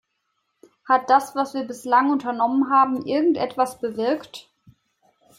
Hat das, was wir bislang unternommen haben, irgendetwas bewirkt?